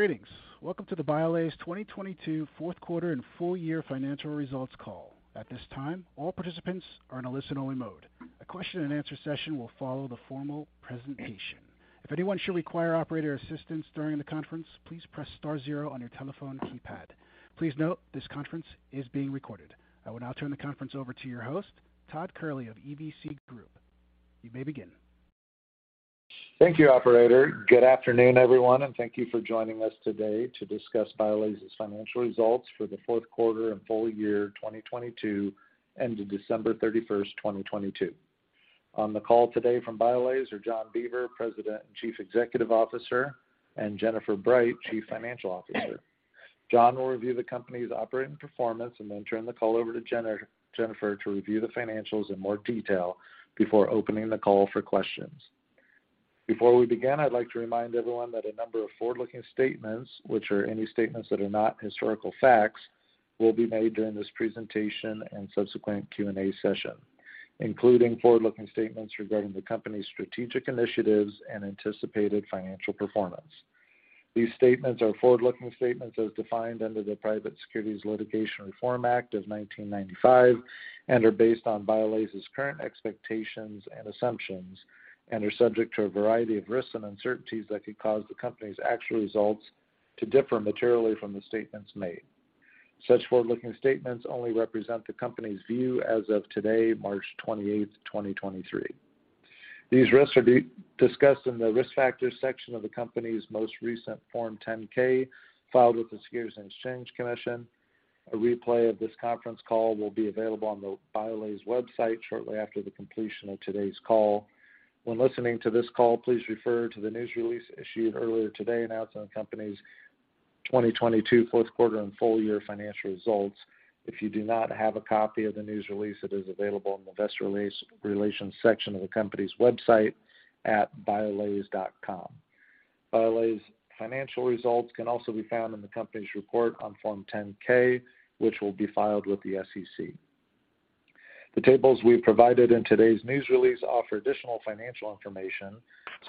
Greetings. Welcome to the BIOLASE 2022 fourth quarter and full year financial results call. At this time, all participants are in a listen-only mode. A question and answer session will follow the formal presentation. If anyone should require operator assistance during the conference, please press star zero on your telephone keypad. Please note this conference is being recorded. I will now turn the conference over to your host, Todd Curley of EVC Group. You may begin. Thank you, operator. Good afternoon, everyone, and thank you for joining us today to discuss BIOLASE's financial results for the fourth quarter and full year 2022, ending December 31st, 2022. On the call today from BIOLASE are John Beaver, President and Chief Executive Officer, and Jennifer Bright, Chief Financial Officer. John will review the company's operating performance and then turn the call over to Jennifer to review the financials in more detail before opening the call for questions. Before we begin, I'd like to remind everyone that a number of forward-looking statements, which are any statements that are not historical facts, will be made during this presentation and subsequent Q&A session, including forward-looking statements regarding the company's strategic initiatives and anticipated financial performance. These statements are forward-looking statements as defined under the Private Securities Litigation Reform Act of 1995, and are based on BIOLASE's current expectations and assumptions and are subject to a variety of risks and uncertainties that could cause the company's actual results to differ materially from the statements made. Such forward-looking statements only represent the company's view as of today, March 28th, 2023. These risks will be discussed in the Risk Factors section of the company's most recent Form 10-K filed with the Securities and Exchange Commission. A replay of this conference call will be available on the BIOLASE website shortly after the completion of today's call. When listening to this call, please refer to the news release issued earlier today announcing the company's 2022 fourth quarter and full year financial results. If you do not have a copy of the news release, it is available in the Investor Relations section of the company's website at biolase.com. BIOLASE financial results can also be found in the company's report on Form 10-K, which will be filed with the SEC. The tables we've provided in today's news release offer additional financial information.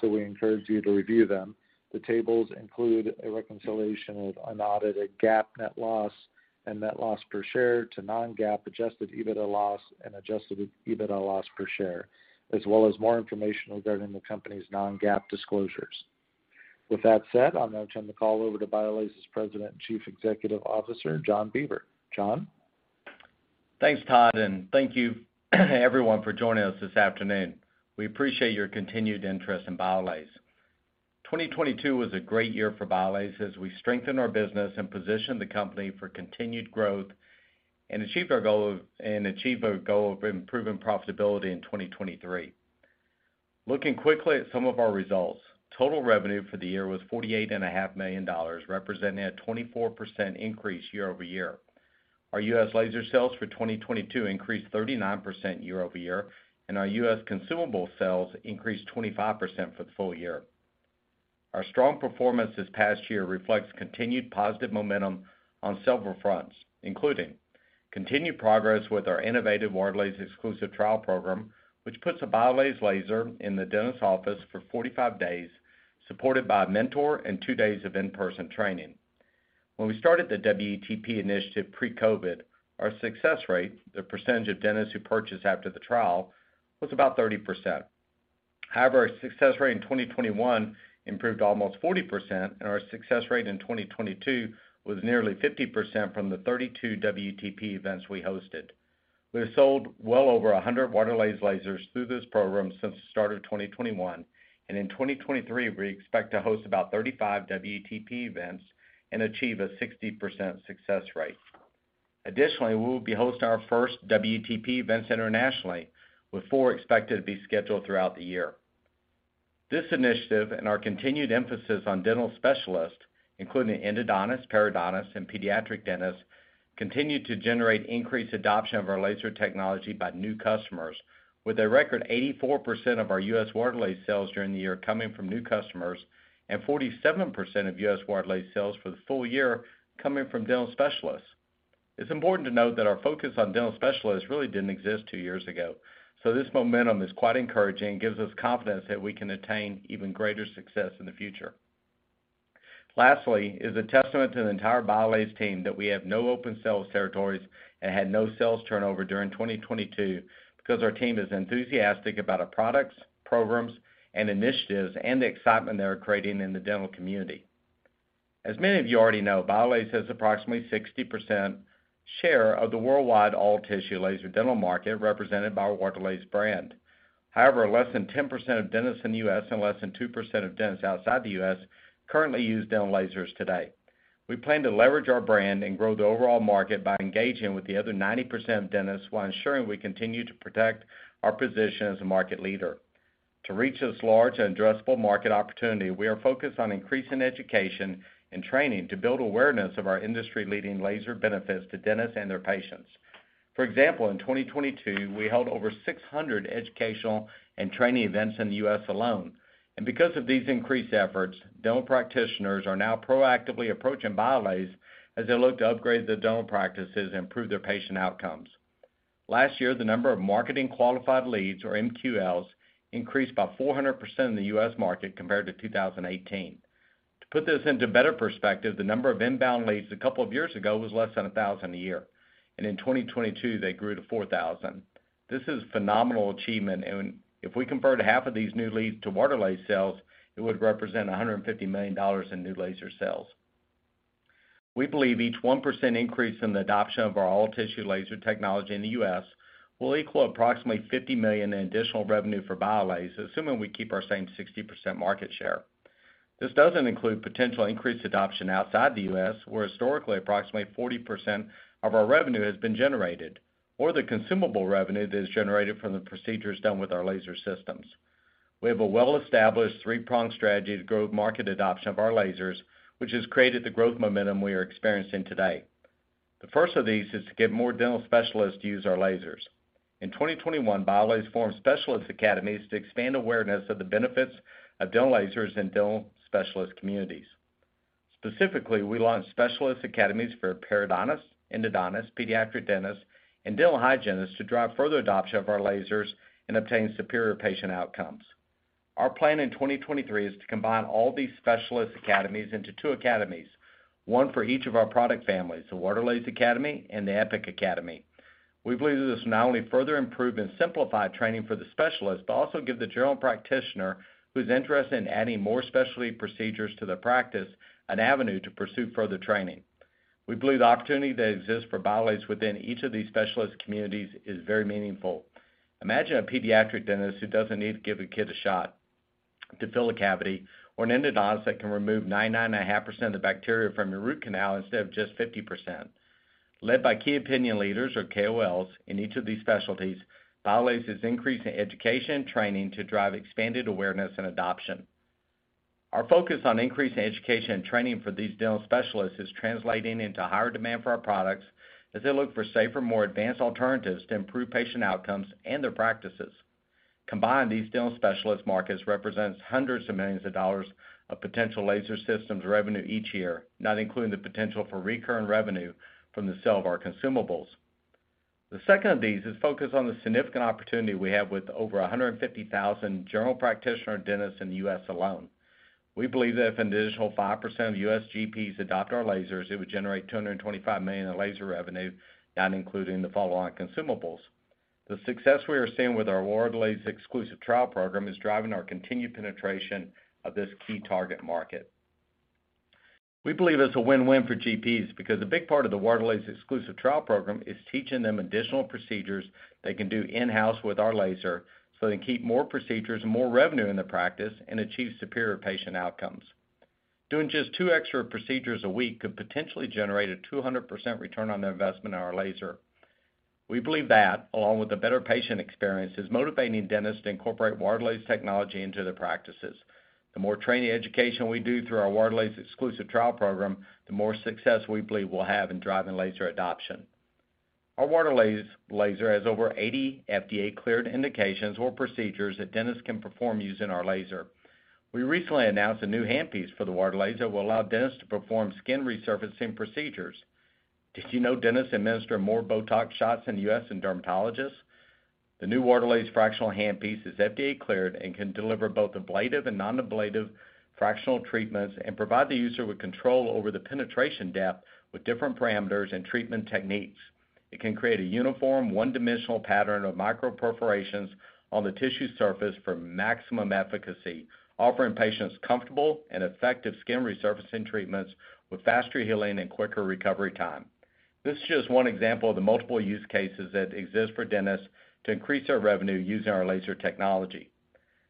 We encourage you to review them. The tables include a reconciliation of unaudited GAAP net loss and net loss per share to non-GAAP adjusted EBITDA loss and adjusted EBITDA loss per share, as well as more information regarding the company's non-GAAP disclosures. With that said, I'll now turn the call over to BIOLASE's President and Chief Executive Officer, John Beaver. John? Thanks, Todd. Thank you everyone for joining us this afternoon. We appreciate your continued interest in BIOLASE. 2022 was a great year for BIOLASE as we strengthened our business and positioned the company for continued growth and achieve our goal of improving profitability in 2023. Looking quickly at some of our results, total revenue for the year was $48.5 million, representing a 24% increase year-over-year. Our U.S. laser sales for 2022 increased 39% year-over-year, and our U.S. consumable sales increased 25% for the full year. Our strong performance this past year reflects continued positive momentum on several fronts, including continued progress with our innovative Waterlase Exclusive Trial Program, which puts a BIOLASE laser in the dentist office for 45 days, supported by a mentor and 2 days of in-person training. When we started the WETP initiative pre-COVID, our success rate, the percentage of dentists who purchased after the trial, was about 30%. However, our success rate in 2021 improved to almost 40%, and our success rate in 2022 was nearly 50% from the 32 WETP events we hosted. We have sold well over 100 Waterlase lasers through this program since the start of 2021, and in 2023, we expect to host about 35 WETP events and achieve a 60% success rate. Additionally, we will be hosting our first WETP events internationally, with 4 expected to be scheduled throughout the year. This initiative and our continued emphasis on dental specialists, including endodontists, periodontists, and pediatric dentists, continued to generate increased adoption of our laser technology by new customers with a record 84% of our U.S. Waterlase sales during the year coming from new customers and 47% of U.S. Waterlase sales for the full year coming from dental specialists. It's important to note that our focus on dental specialists really didn't exist two years ago, so this momentum is quite encouraging and gives us confidence that we can attain even greater success in the future. Lastly, it's a testament to the entire BIOLASE team that we have no open sales territories and had no sales turnover during 2022 because our team is enthusiastic about our products, programs, and initiatives and the excitement they are creating in the dental community. As many of you already know, BIOLASE has approximately 60% share of the worldwide all tissue laser dental market represented by our Waterlase brand. However, less than 10% of dentists in the U.S. and less than 2% of dentists outside the U.S. currently use dental lasers today. We plan to leverage our brand and grow the overall market by engaging with the other 90% of dentists while ensuring we continue to protect our position as a market leader. To reach this large and addressable market opportunity, we are focused on increasing education and training to build awareness of our industry-leading laser benefits to dentists and their patients. For example, in 2022, we held over 600 educational and training events in the U.S. alone. Because of these increased efforts, dental practitioners are now proactively approaching BIOLASE as they look to upgrade their dental practices and improve their patient outcomes. Last year, the number of marketing qualified leads, or MQLs, increased by 400% in the US market compared to 2018. To put this into better perspective, the number of inbound leads a couple of years ago was less than 1,000 a year, and in 2022, they grew to 4,000. This is phenomenal achievement. If we convert half of these new leads to Waterlase sales, it would represent $150 million in new laser sales. We believe each 1% increase in the adoption of our all tissue laser technology in the US will equal approximately $50 million in additional revenue for BIOLASE, assuming we keep our same 60% market share. This doesn't include potential increased adoption outside the US, where historically approximately 40% of our revenue has been generated, or the consumable revenue that is generated from the procedures done with our laser systems. We have a well-established three-pronged strategy to grow market adoption of our lasers, which has created the growth momentum we are experiencing today. The first of these is to get more dental specialists to use our lasers. In 2021, BIOLASE formed specialist academies to expand awareness of the benefits of dental lasers in dental specialist communities. Specifically, we launched specialist academies for periodontists, endodontists, pediatric dentists, and dental hygienists to drive further adoption of our lasers and obtain superior patient outcomes. Our plan in 2023 is to combine all these specialist academies into two academies, one for each of our product families, the Waterlase Academy and the Epic Academy. We believe this will not only further improve and simplify training for the specialist, but also give the general practitioner who's interested in adding more specialty procedures to the practice an avenue to pursue further training. We believe the opportunity that exists for BIOLASE within each of these specialist communities is very meaningful. Imagine a pediatric dentist who doesn't need to give a kid a shot to fill a cavity or an endodontist that can remove 99.5% of the bacteria from your root canal instead of just 50%. Led by Key Opinion Leaders or KOLs in each of these specialties, BIOLASE is increasing education and training to drive expanded awareness and adoption. Our focus on increasing education and training for these dental specialists is translating into higher demand for our products as they look for safer, more advanced alternatives to improve patient outcomes and their practices. Combined, these dental specialist markets represents hundreds of millions of dollars of potential laser systems revenue each year, not including the potential for recurring revenue from the sale of our consumables. The second of these is focused on the significant opportunity we have with over 150,000 general practitioner dentists in the U.S. alone. We believe that if an additional 5% of U.S. GPs adopt our lasers, it would generate $225 million in laser revenue, not including the follow-on consumables. The success we are seeing with our Waterlase Exclusive Trial Program is driving our continued penetration of this key target market. We believe it's a win-win for GPs because a big part of the Waterlase Exclusive Trial Program is teaching them additional procedures they can do in-house with our laser, so they can keep more procedures and more revenue in the practice and achieve superior patient outcomes. Doing just 2 extra procedures a week could potentially generate a 200% return on their investment in our laser. We believe that, along with a better patient experience, is motivating dentists to incorporate Waterlase technology into their practices. The more training education we do through our Waterlase Exclusive Trial Program, the more success we believe we'll have in driving laser adoption. Our Waterlase laser has over 80 FDA cleared indications or procedures that dentists can perform using our laser. We recently announced a new handpiece for the Waterlase that will allow dentists to perform skin resurfacing procedures. Did you know dentists administer more BOTOX shots in the U.S. than dermatologists? The new Waterlase fractional handpiece is FDA cleared and can deliver both ablative and non-ablative fractional treatments and provide the user with control over the penetration depth with different parameters and treatment techniques. It can create a uniform one-dimensional pattern of microperforations on the tissue surface for maximum efficacy, offering patients comfortable and effective skin resurfacing treatments with faster healing and quicker recovery time. This is just one example of the multiple use cases that exist for dentists to increase their revenue using our laser technology.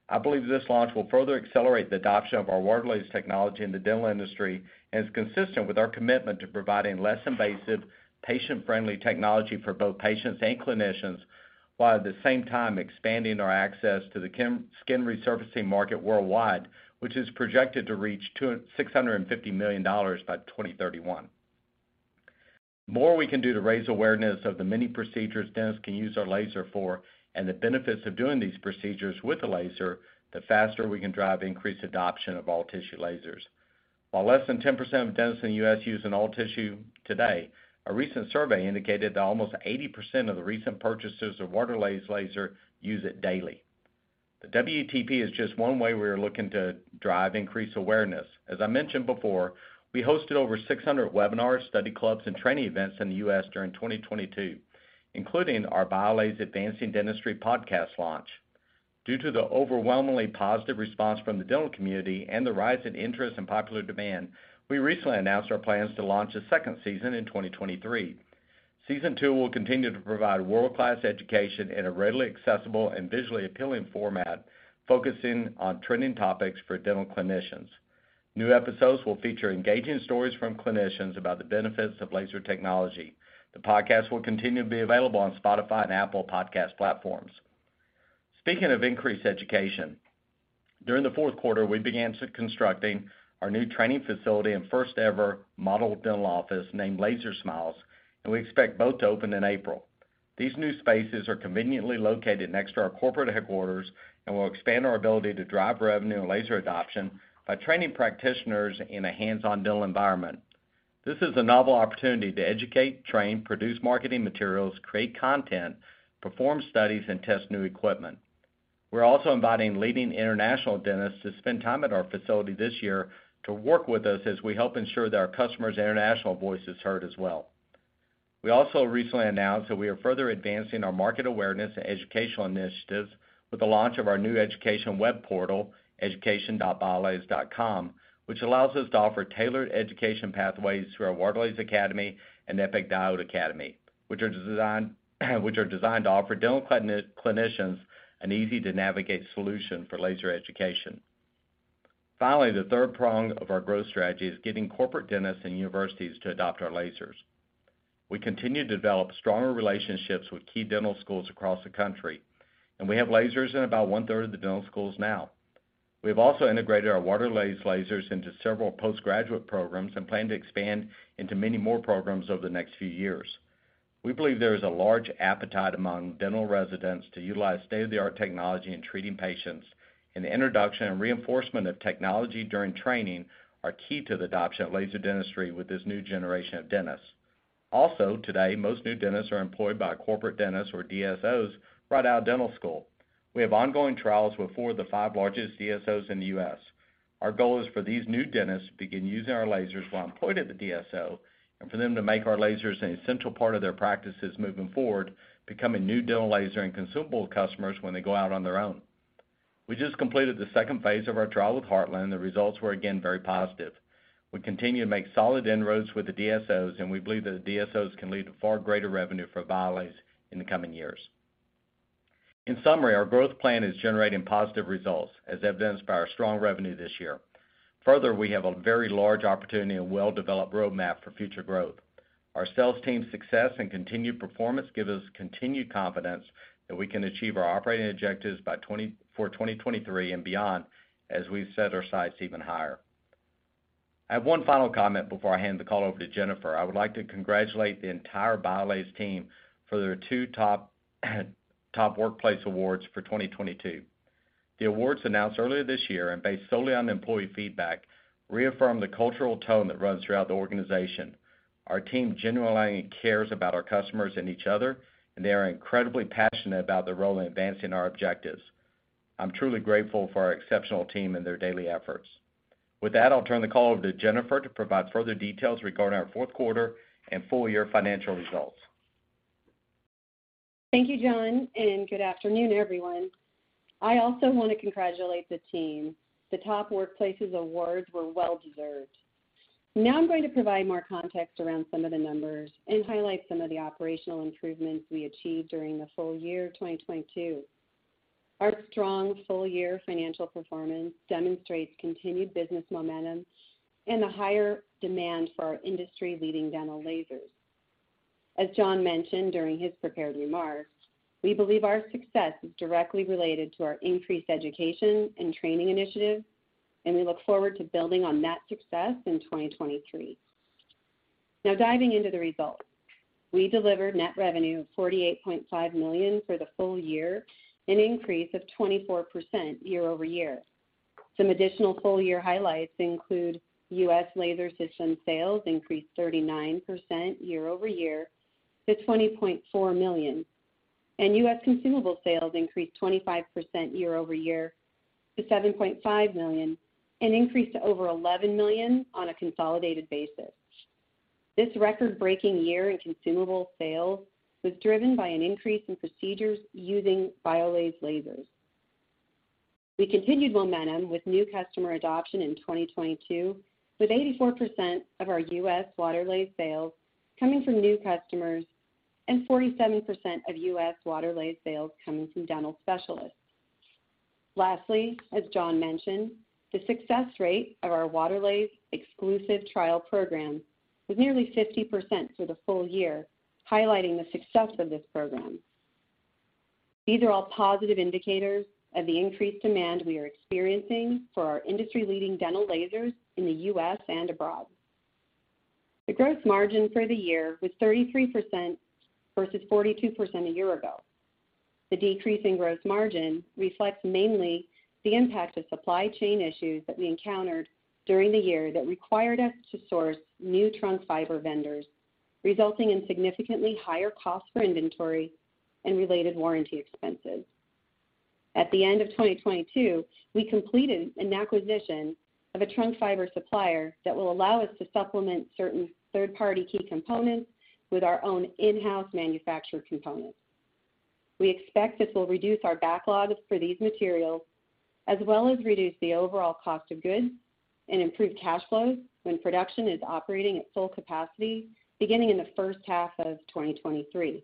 I believe this launch will further accelerate the adoption of our Waterlase technology in the dental industry and is consistent with our commitment to providing less invasive, patient-friendly technology for both patients and clinicians, while at the same time expanding our access to the skin resurfacing market worldwide, which is projected to reach $650 million by 2031. The more we can do to raise awareness of the many procedures dentists can use our laser for and the benefits of doing these procedures with a laser, the faster we can drive increased adoption of all tissue lasers. While less than 10% of dentists in the U.S. use an all tissue today, a recent survey indicated that almost 80% of the recent purchasers of Waterlase laser use it daily. The WETP is just one way we are looking to drive increased awareness. As I mentioned before, we hosted over 600 webinars, study clubs, and training events in the U.S. during 2022, including our Biolase: Advancing Dentistry Podcast launch. Due to the overwhelmingly positive response from the dental community and the rise in interest and popular demand, we recently announced our plans to launch a second season in 2023. Season two will continue to provide world-class education in a readily accessible and visually appealing format, focusing on trending topics for dental clinicians. New episodes will feature engaging stories from clinicians about the benefits of laser technology. The podcast will continue to be available on Spotify and Apple Podcasts platforms. Speaking of increased education, during the fourth quarter, we began constructing our new training facility and first ever model dental office named Laser Smiles, and we expect both to open in April. These new spaces are conveniently located next to our corporate headquarters and will expand our ability to drive revenue and laser adoption by training practitioners in a hands-on dental environment. This is a novel opportunity to educate, train, produce marketing materials, create content, perform studies and test new equipment. We're also inviting leading international dentists to spend time at our facility this year to work with us as we help ensure that our customers' international voice is heard as well. We also recently announced that we are further advancing our market awareness and educational initiatives with the launch of our new education web portal, education.biolase.com, which allows us to offer tailored education pathways through our Waterlase Academy and Epic Diode Academy, which are designed to offer dental clinicians an easy to navigate solution for laser education. Finally, the third prong of our growth strategy is getting corporate dentists and universities to adopt our lasers. We continue to develop stronger relationships with key dental schools across the country, and we have lasers in about 1/3 of the dental schools now. We have also integrated our Waterlase lasers into several postgraduate programs and plan to expand into many more programs over the next few years. We believe there is a large appetite among dental residents to utilize state-of-the-art technology in treating patients, and the introduction and reinforcement of technology during training are key to the adoption of laser dentistry with this new generation of dentists. Also today, most new dentists are employed by corporate dentists or DSOs right out of dental school. We have ongoing trials with four of the five largest DSOs in the U.S. Our goal is for these new dentists to begin using our lasers while employed at the DSO, and for them to make our lasers an essential part of their practices moving forward, becoming new dental laser and consumable customers when they go out on their own. We just completed the second phase of our trial with Heartland, and the results were again very positive. We continue to make solid inroads with the DSOs, and we believe that the DSOs can lead to far greater revenue for BIOLASE in the coming years. In summary, our growth plan is generating positive results, as evidenced by our strong revenue this year. Further, we have a very large opportunity and well-developed roadmap for future growth. Our sales team's success and continued performance give us continued confidence that we can achieve our operating objectives for 2023 and beyond as we set our sights even higher. I have one final comment before I hand the call over to Jennifer. I would like to congratulate the entire BIOLASE team for their two Top Workplaces awards for 2022. The awards announced earlier this year and based solely on employee feedback reaffirmed the cultural tone that runs throughout the organization. Our team genuinely cares about our customers and each other, and they are incredibly passionate about their role in advancing our objectives. I'm truly grateful for our exceptional team and their daily efforts. With that, I'll turn the call over to Jennifer to provide further details regarding our fourth quarter and full year financial results. Thank you, John. Good afternoon, everyone. I also want to congratulate the team. The Top Workplaces awards were well deserved. Now I'm going to provide more context around some of the numbers and highlight some of the operational improvements we achieved during the full year of 2022. Our strong full year financial performance demonstrates continued business momentum and a higher demand for our industry-leading dental lasers. As John mentioned during his prepared remarks, we believe our success is directly related to our increased education and training initiatives. We look forward to building on that success in 2023. Now diving into the results. We delivered net revenue of $48.5 million for the full year, an increase of 24% year-over-year. Some additional full year highlights include U.S. laser system sales increased 39% year-over-year to $20.4 million. U.S. consumable sales increased 25% year-over-year to $7.5 million, an increase to over $11 million on a consolidated basis. This record-breaking year in consumable sales was driven by an increase in procedures using BIOLASE lasers. We continued momentum with new customer adoption in 2022, with 84% of our U.S. Waterlase sales coming from new customers and 47% of U.S. Waterlase sales coming from dental specialists. Lastly, as John mentioned, the success rate of our Waterlase Exclusive Trial Program was nearly 50% for the full year, highlighting the success of this program. These are all positive indicators of the increased demand we are experiencing for our industry-leading dental lasers in the U.S. and abroad. The gross margin for the year was 33% versus 42% a year ago. The decrease in gross margin reflects mainly the impact of supply chain issues that we encountered during the year that required us to source new trunk fiber vendors, resulting in significantly higher costs for inventory and related warranty expenses. At the end of 2022, we completed an acquisition of a trunk fiber supplier that will allow us to supplement certain third-party key components with our own in-house manufactured components. We expect this will reduce our backlogs for these materials as well as reduce the overall cost of goods and improve cash flows when production is operating at full capacity beginning in the first half of 2023.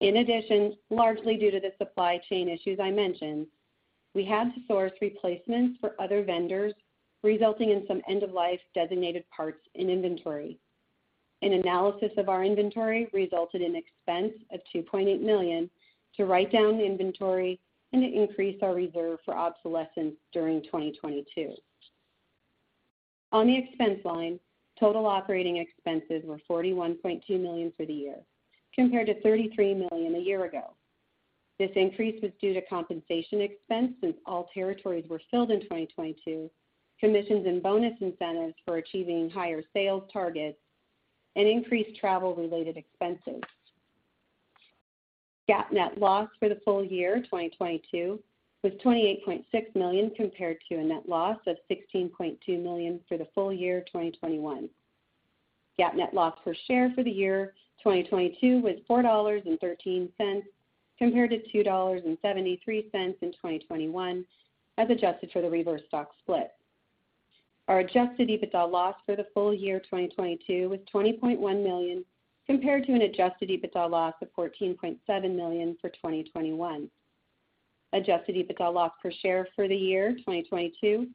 In addition, largely due to the supply chain issues I mentioned, we had to source replacements for other vendors, resulting in some end of life designated parts in inventory. An analysis of our inventory resulted in expense of $2.8 million to write down the inventory and to increase our reserve for obsolescence during 2022. On the expense line, total operating expenses were $41.2 million for the year, compared to $33 million a year ago. This increase was due to compensation expense since all territories were filled in 2022, commissions and bonus incentives for achieving higher sales targets, and increased travel-related expenses. GAAP net loss for the full year 2022 was $28.6 million compared to a net loss of $16.2 million for the full year 2021. GAAP net loss per share for the year 2022 was $4.13 compared to $2.73 in 2021 as adjusted for the reverse stock split. Our adjusted EBITDA loss for the full year 2022 was $20.1 million compared to an adjusted EBITDA loss of $14.7 million for 2021. Adjusted EBITDA loss per share for the year 2022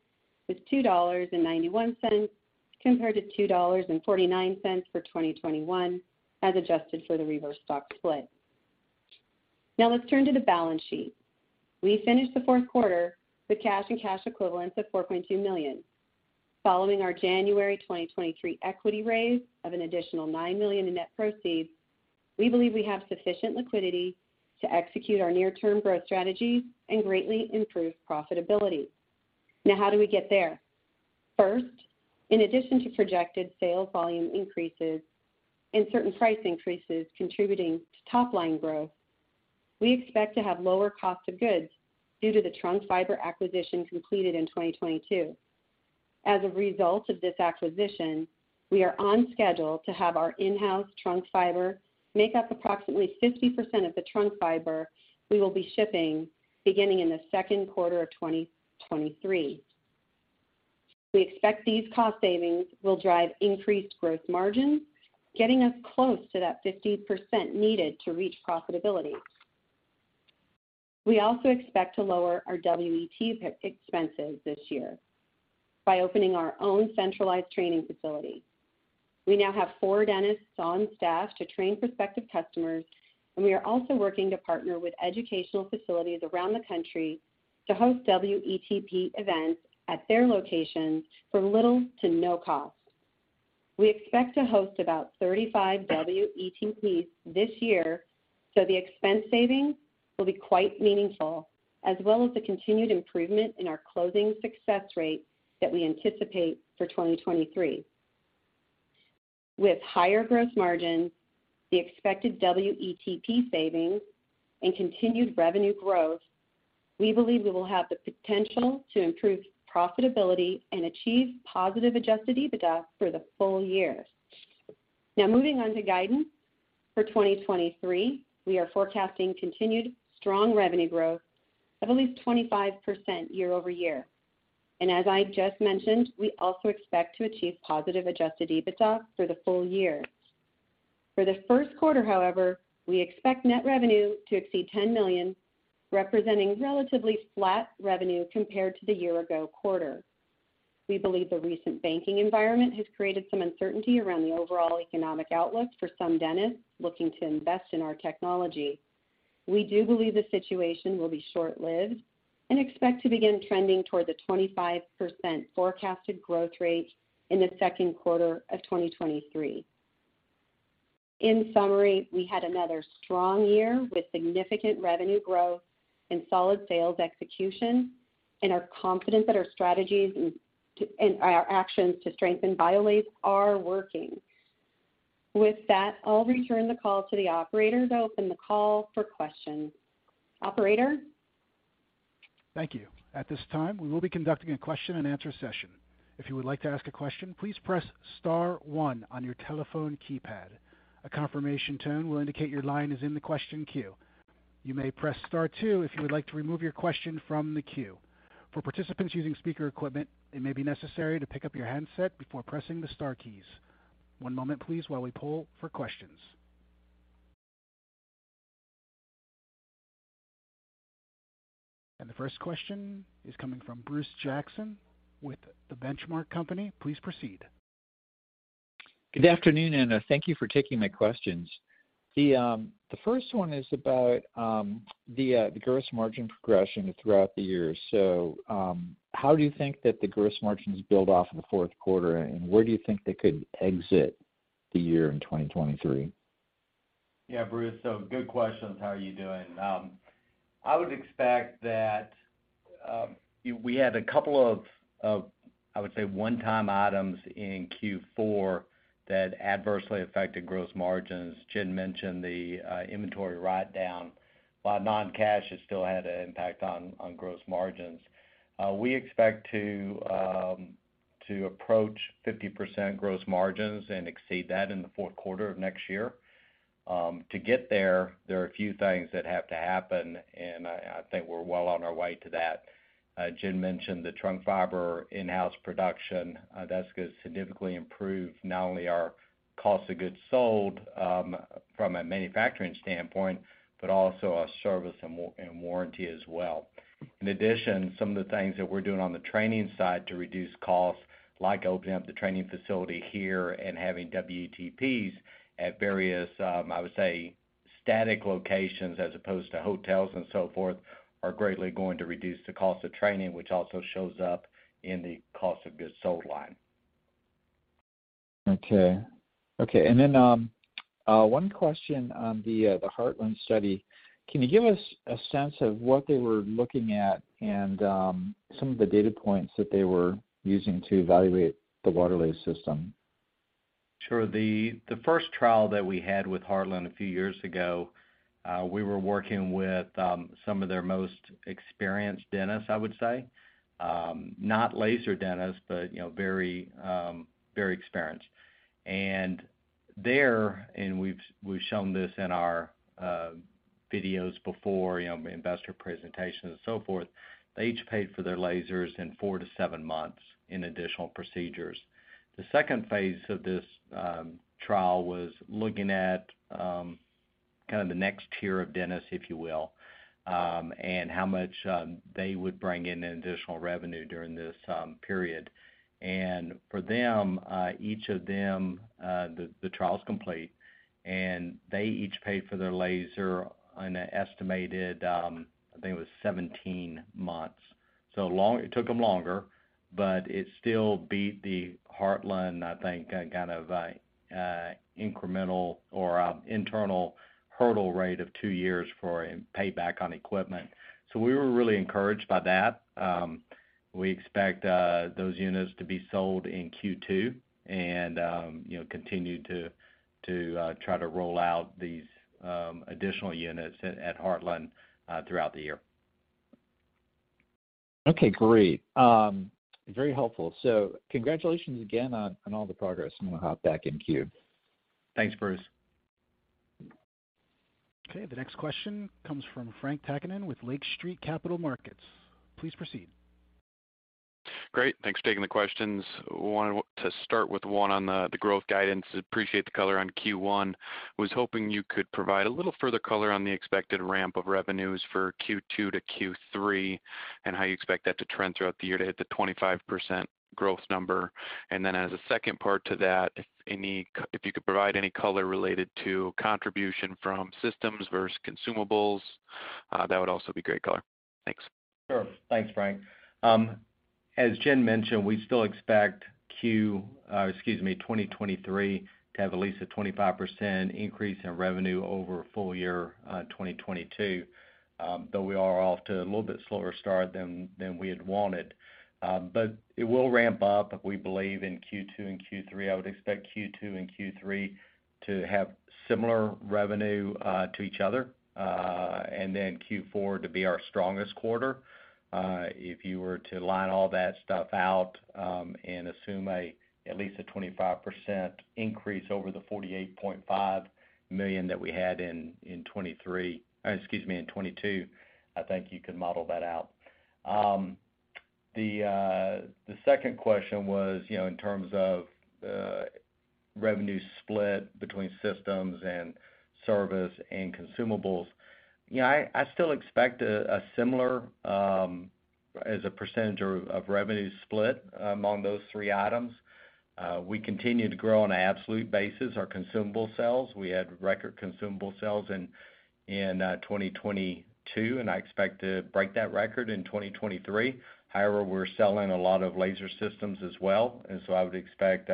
was $2.91 compared to $2.49 for 2021 as adjusted for the reverse stock split. Now let's turn to the balance sheet. We finished the fourth quarter with cash and cash equivalents of $4.2 million. Following our January 2023 equity raise of an additional $9 million in net proceeds, we believe we have sufficient liquidity to execute our near-term growth strategies and greatly improve profitability. How do we get there? First, in addition to projected sales volume increases and certain price increases contributing to top line growth, we expect to have lower cost of goods due to the trunk fiber acquisition completed in 2022. As a result of this acquisition, we are on schedule to have our in-house trunk fiber make up approximately 50% of the trunk fiber we will be shipping beginning in the second quarter of 2023. We expect these cost savings will drive increased gross margins, getting us close to that 50% needed to reach profitability. We also expect to lower our WETP expenses this year by opening our own centralized training facility. We now have four dentists on staff to train prospective customers, and we are also working to partner with educational facilities around the country to host WETP events at their locations for little to no cost. We expect to host about 35 WETPs this year, so the expense savings will be quite meaningful, as well as the continued improvement in our closing success rate that we anticipate for 2023. With higher gross margins, the expected WETP savings and continued revenue growth, we believe we will have the potential to improve profitability and achieve positive adjusted EBITDA for the full year. Now moving on to guidance for 2023, we are forecasting continued strong revenue growth of at least 25% year-over-year. As I just mentioned, we also expect to achieve positive adjusted EBITDA for the full year. For the first quarter, however, we expect net revenue to exceed $10 million, representing relatively flat revenue compared to the year-ago quarter. We believe the recent banking environment has created some uncertainty around the overall economic outlook for some dentists looking to invest in our technology. We do believe the situation will be short-lived and expect to begin trending toward the 25% forecasted growth rate in the second quarter of 2023. In summary, we had another strong year with significant revenue growth and solid sales execution and are confident that our strategies and our actions to strengthen BIOLASE are working. With that, I'll return the call to the operator to open the call for questions. Operator? Thank you. At this time, we will be conducting a question-and-answer session. If you would like to ask a question, please press star one on your telephone keypad. A confirmation tone will indicate your line is in the question queue. You may press star two if you would like to remove your question from the queue. For participants using speaker equipment, it may be necessary to pick up your handset before pressing the star keys. One moment please while we poll for questions. The first question is coming from Bruce Jackson with The Benchmark Company. Please proceed. Good afternoon. Thank you for taking my questions. The first one is about the gross margin progression throughout the year. How do you think that the gross margins build off in the fourth quarter, and where do you think they could exit the year in 2023? Bruce Jackson, good questions. How are you doing? I would expect that we had a couple of, I would say, one-time items in Q4 that adversely affected gross margins. Jennifer Bright mentioned the inventory write-down. While non-cash has still had an impact on gross margins, we expect to approach 50% gross margins and exceed that in the fourth quarter of next year. To get there are a few things that have to happen, I think we're well on our way to that. Jennifer Bright mentioned the trunk fiber in-house production. That's gonna significantly improve not only our cost of goods sold from a manufacturing standpoint, but also our service and warranty as well. Some of the things that we're doing on the training side to reduce costs, like opening up the training facility here and having WETPs at various, I would say static locations as opposed to hotels and so forth, are greatly going to reduce the cost of training, which also shows up in the cost of goods sold line. Okay. Okay, one question on the Heartland study. Can you give us a sense of what they were looking at and, some of the data points that they were using to evaluate the Waterlase system? Sure. The first trial that we had with Heartland a few years ago, we were working with some of their most experienced dentists, I would say. Not laser dentists, but, you know, very experienced. There, we've shown this in our videos before, you know, investor presentations and so forth, they each paid for their lasers in four to seven months in additional procedures. The second phase of this trial was looking at kind of the next tier of dentists, if you will, and how much they would bring in in additional revenue during this period. For them, each of them, the trial's complete, and they each paid for their laser on a estimated, I think it was 17 months. It took them longer, but it still beat the Heartland, I think, kind of, incremental or internal hurdle rate of 2 years for a payback on equipment. We were really encouraged by that. We expect those units to be sold in Q2, and, you know, continue to try to roll out these additional units at Heartland throughout the year. Okay, great. very helpful. Congratulations again on all the progress, and we'll hop back in queue. Thanks, Bruce. Okay. The next question comes from Frank Takkinen with Lake Street Capital Markets. Please proceed. Great. Thanks for taking the questions. Wanted to start with one on the growth guidance. Appreciate the color on Q1. Was hoping you could provide a little further color on the expected ramp of revenues for Q2 to Q3 and how you expect that to trend throughout the year to hit the 25% growth number. As a second part to that, if you could provide any color related to contribution from systems versus consumables, that would also be great color. Thanks. Sure. Thanks, Frank. As Jen mentioned, we still expect Q, excuse me, 2023 to have at least a 25% increase in revenue over full year, 2022, though we are off to a little bit slower start than we had wanted. It will ramp up, we believe, in Q2 and Q3. I would expect Q2 and Q3 to have similar revenue to each other. Q4 to be our strongest quarter. If you were to line all that stuff out, assume a at least a 25% increase over the $48.5 million that we had in 2023, or excuse me, in 2022, I think you could model that out. The second question was, you know, in terms of revenue split between systems and service and consumables. You know, I still expect a similar as a percentage of revenue split among those three items. We continue to grow on an absolute basis our consumable sales. We had record consumable sales in 2022. I expect to break that record in 2023. However, we're selling a lot of laser systems as well. I would expect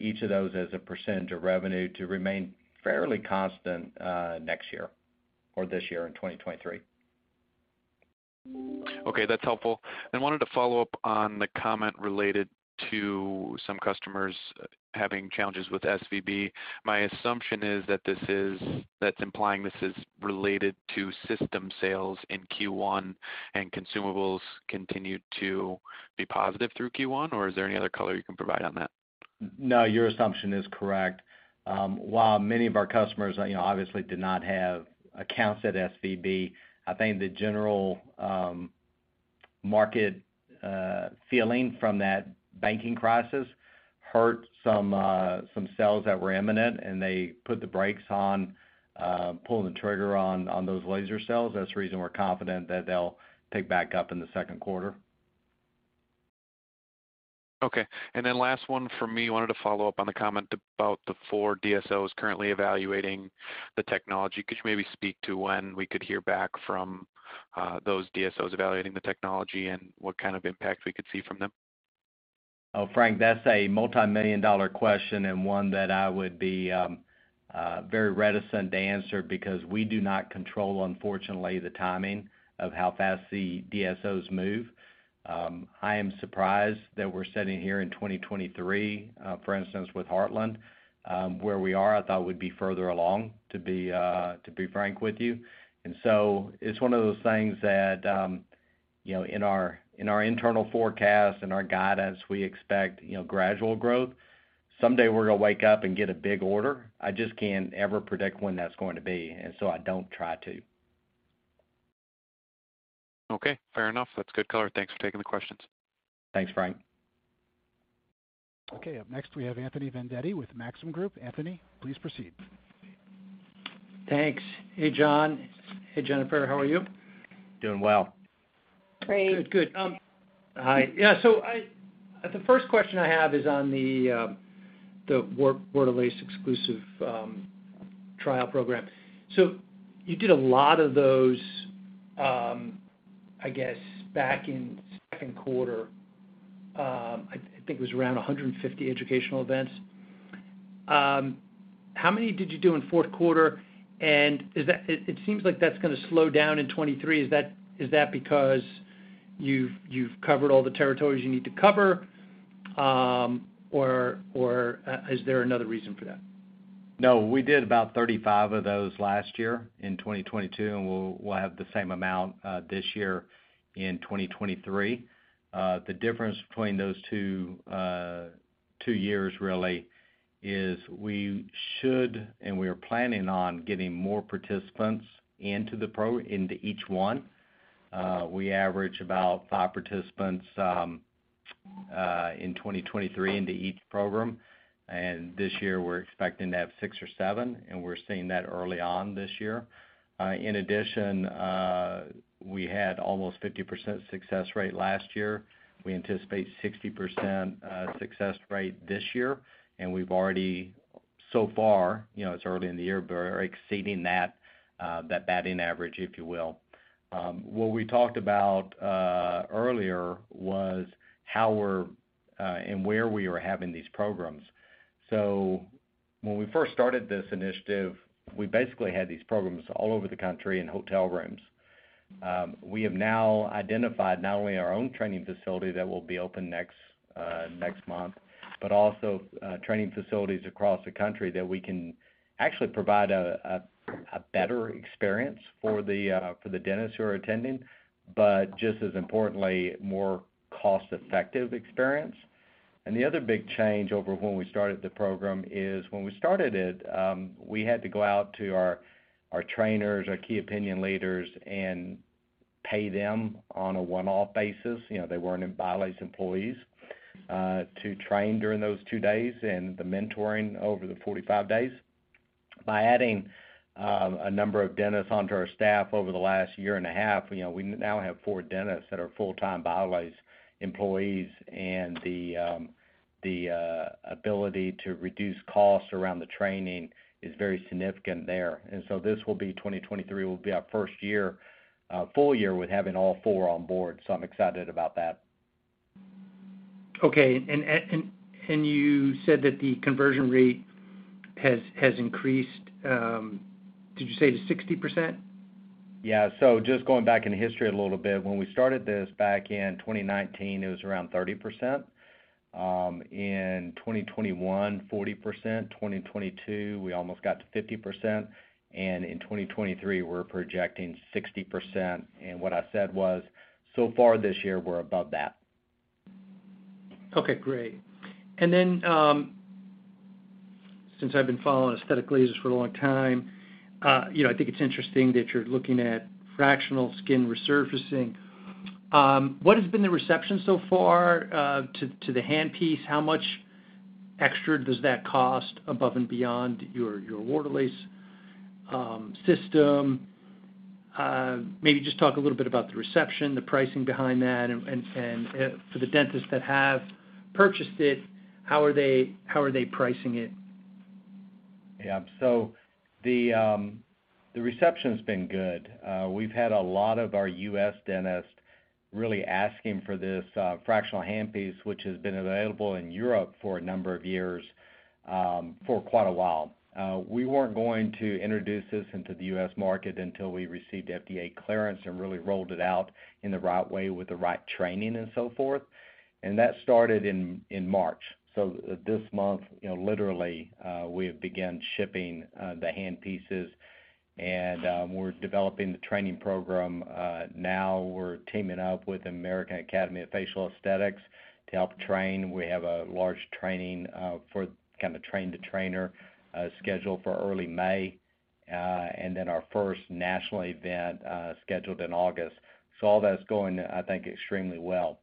each of those as a percentage of revenue to remain fairly constant next year or this year in 2023. Okay, that's helpful. Wanted to follow up on the comment related to some customers having challenges with SVB. My assumption is that this is implying this is related to system sales in Q1 and consumables continued to be positive through Q1, or is there any other color you can provide on that? No, your assumption is correct. While many of our customers, you know, obviously did not have accounts at SVB, I think the general market feeling from that banking crisis hurt some sales that were imminent, and they put the brakes on pulling the trigger on those laser sales. That's the reason we're confident that they'll pick back up in the second quarter. Okay. Last one from me. Wanted to follow up on the comment about the 4 DSOs currently evaluating the technology. Could you maybe speak to when we could hear back from those DSOs evaluating the technology and what kind of impact we could see from them? Frank, that's a multimillion-dollar question and one that I would be very reticent to answer because we do not control, unfortunately, the timing of how fast the DSOs move. I am surprised that we're sitting here in 2023, for instance, with Heartland, where we are. I thought we'd be further along, to be frank with you. It's one of those things that, you know, in our internal forecast and our guidance, we expect, you know, gradual growth. Someday we're gonna wake up and get a big order. I just can't ever predict when that's going to be. I don't try to. Okay, fair enough. That's good color. Thanks for taking the questions. Thanks, Frank. Okay. Up next, we have Anthony Vendetti with Maxim Group. Anthony, please proceed. Thanks. Hey, John. Hey, Jennifer. How are you? Doing well. Great. Good. Good. Hi. Yeah, the first question I have is on the Waterlase Exclusive... trial program. You did a lot of those, I guess back in second quarter. I think it was around 150 educational events. How many did you do in fourth quarter? It seems like that's gonna slow down in 2023. Is that because you've covered all the territories you need to cover, or is there another reason for that? No. We did about 35 of those last year in 2022, and we'll have the same amount this year in 2023. The difference between those 2 years really is we should, and we are planning on getting more participants into each one. We average about 5 participants in 2023 into each program, and this year we're expecting to have 6 or 7, and we're seeing that early on this year. In addition, we had almost 50% success rate last year. We anticipate 60% success rate this year, and we've already so far, you know, it's early in the year, but are exceeding that batting average, if you will. What we talked about earlier was how we're and where we were having these programs. When we first started this initiative, we basically had these programs all over the country in hotel rooms. We have now identified not only our own training facility that will be open next month, but also training facilities across the country that we can actually provide a better experience for the dentists who are attending, but just as importantly, more cost-effective experience. The other big change over when we started the program is when we started it, we had to go out to our trainers, our Key Opinion Leaders, and pay them on a one-off basis, you know, they weren't BIOLASE employees to train during those 2 days and the mentoring over the 45 days. By adding, a number of dentists onto our staff over the last year and a half, you know, we now have four dentists that are full-time BIOLASE employees, and the ability to reduce costs around the training is very significant there. This will be, 2023 will be our first year, full year with having all four on board. I'm excited about that. Okay. You said that the conversion rate has increased, did you say to 60%? Yeah. Just going back in history a little bit, when we started this back in 2019, it was around 30%. In 2021, 40%. 2022, we almost got to 50%. In 2023, we're projecting 60%. What I said was, so far this year, we're above that. Okay, great. Then, since I've been following aesthetic lasers for a long time, you know, I think it's interesting that you're looking at fractional skin resurfacing. What has been the reception so far, to the handpiece? How much extra does that cost above and beyond your Waterlase system? Maybe just talk a little bit about the reception, the pricing behind that, and, for the dentists that have purchased it, how are they pricing it? The reception's been good. We've had a lot of our U.S. dentists really asking for this fractional handpiece, which has been available in Europe for a number of years for quite a while. We weren't going to introduce this into the U.S. market until we received FDA clearance and really rolled it out in the right way with the right training and so forth. That started in March. This month, you know, literally, we have begun shipping the handpieces, and we're developing the training program. Now we're teaming up with the American Academy of Facial Esthetics to help train. We have a large training for kind of a train-the-trainer scheduled for early May, and then our first national event scheduled in August. All that's going, I think, extremely well.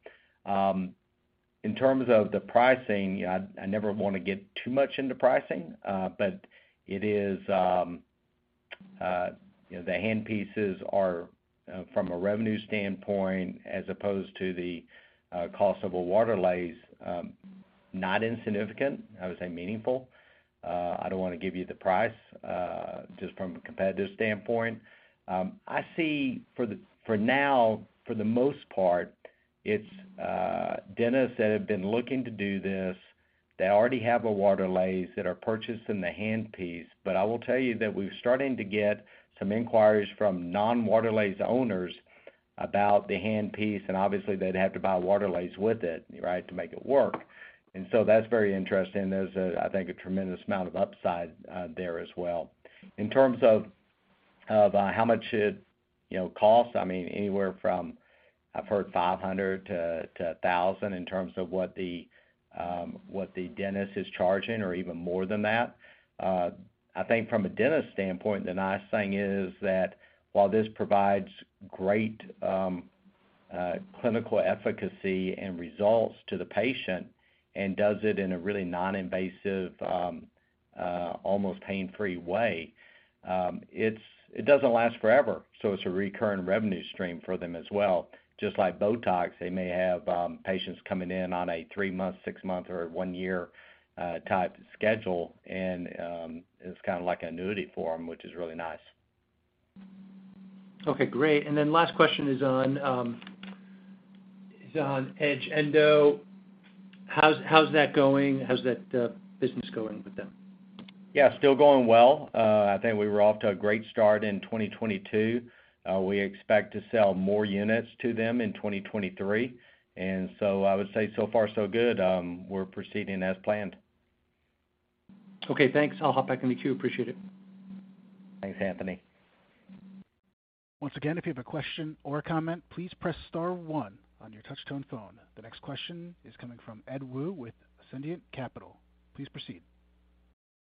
In terms of the pricing, I never wanna get too much into pricing, but it is, you know, the handpieces are from a revenue standpoint as opposed to the cost of a Waterlase, not insignificant, I would say meaningful. I don't wanna give you the price just from a competitive standpoint. I see for the, for now, for the most part, it's dentists that have been looking to do this, that already have a Waterlase that are purchasing the handpiece. I will tell you that we're starting to get some inquiries from non-Waterlase owners about the handpiece, and obviously they'd have to buy a Waterlase with it, right, to make it work. That's very interesting. There's a, I think, a tremendous amount of upside there as well. In terms of how much it, you know, costs, I mean, anywhere from, I've heard $500-$1,000 in terms of what the dentist is charging or even more than that. I think from a dentist standpoint, the nice thing is that while this provides great clinical efficacy and results to the patient and does it in a really non-invasive, almost pain-free way, it doesn't last forever. It's a recurring revenue stream for them as well. Just like BOTOX, they may have patients coming in on a 3-month, 6-month, or a 1-year type schedule, and it's kinda like an annuity for them, which is really nice. Okay, great. Last question is on EdgeEndo. How's that going? How's that business going with them? Yeah, still going well. I think we were off to a great start in 2022. We expect to sell more units to them in 2023. I would say so far so good. We're proceeding as planned. Okay, thanks. I'll hop back in the queue. Appreciate it. Thanks, Anthony. Once again, if you have a question or a comment, please press star one on your touch tone phone. The next question is coming from Ed Wu with Ascendiant Capital. Please proceed.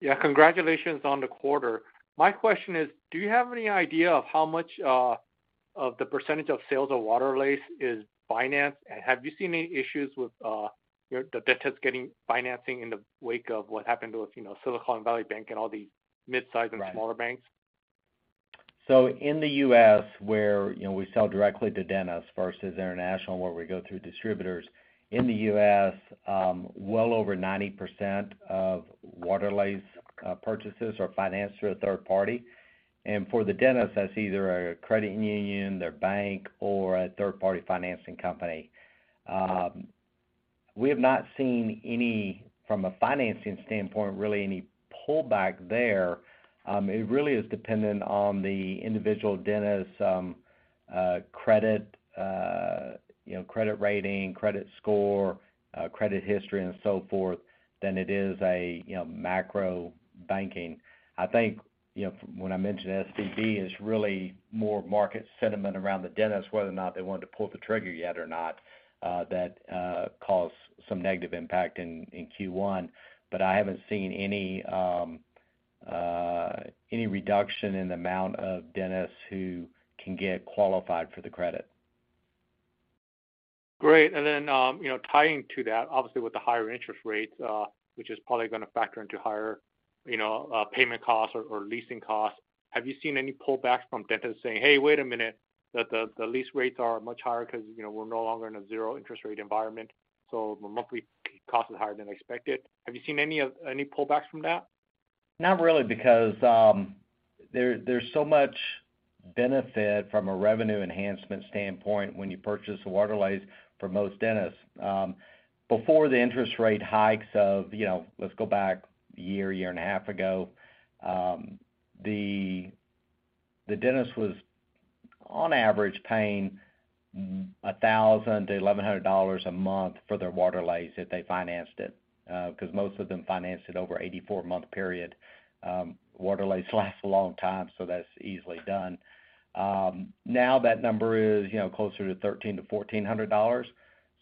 Yeah, congratulations on the quarter. My question is, do you have any idea of how much of the % of sales of Waterlase is financed? Have you seen any issues with the dentist getting financing in the wake of what happened with, you know, Silicon Valley Bank and all the mid-size and smaller banks? In the U.S., where, you know, we sell directly to dentists versus international, where we go through distributors. In the U.S., well over 90% of Waterlase purchases are financed through a third party. For the dentist, that's either a credit union, their bank, or a third party financing company. We have not seen any, from a financing standpoint, really any pullback there. It really is dependent on the individual dentist's credit, you know, credit rating, credit score, credit history and so forth, than it is a, you know, macro banking. I think, you know, when I mentioned SVB is really more market sentiment around the dentist, whether or not they wanted to pull the trigger yet or not, that caused some negative impact in Q1. I haven't seen any reduction in the amount of dentists who can get qualified for the credit. Great. You know, tying to that, obviously with the higher interest rates, which is probably gonna factor into higher, you know, payment costs or leasing costs. Have you seen any pullbacks from dentists saying, "Hey, wait a minute. The lease rates are much higher 'cause, you know, we're no longer in a 0 interest rate environment, so the monthly cost is higher than expected." Have you seen any pullbacks from that? Not really, because there's so much benefit from a revenue enhancement standpoint when you purchase a Waterlase for most dentists. Before the interest rate hikes of, you know, let's go back a year and a half ago, the dentist was on average paying $1,000-$1,100 a month for their Waterlase if they financed it, 'cause most of them financed it over 84-month period. Waterlase lasts a long time, that's easily done. Now that number is, you know, closer to $1,300-$1,400,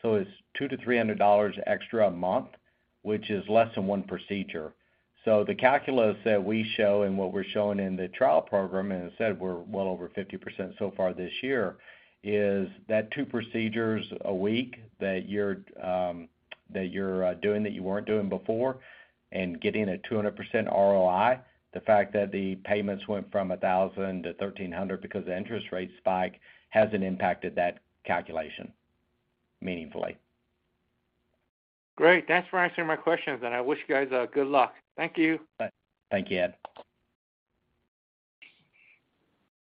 it's $200-$300 extra a month, which is less than 1 procedure. The calculus that we show and what we're showing in the trial program, and instead we're well over 50% so far this year, is that 2 procedures a week that you're doing that you weren't doing before and getting a 200% ROI. The fact that the payments went from $1,000 to $1,300 because the interest rate spike hasn't impacted that calculation meaningfully. Great. Thanks for answering my questions, and I wish you guys good luck. Thank you. Thank you, Ed.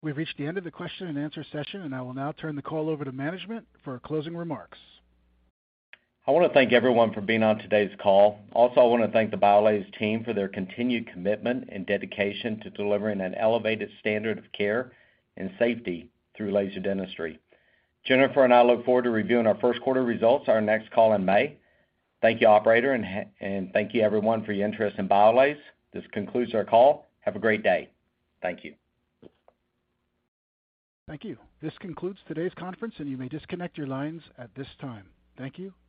We've reached the end of the question and answer session. I will now turn the call over to management for closing remarks. I wanna thank everyone for being on today's call. Also, I wanna thank the BIOLASE team for their continued commitment and dedication to delivering an elevated standard of care and safety through laser dentistry. Jennifer and I look forward to reviewing our first quarter results, our next call in May. Thank you, operator, and thank you everyone for your interest in BIOLASE. This concludes our call. Have a great day. Thank you. Thank you. This concludes today's conference, and you may disconnect your lines at this time. Thank you. Bye.